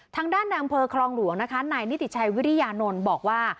ทางด้านในอำเภอครองหลวงนะคะนายนิติชัยวิริยานนท์บอกว่า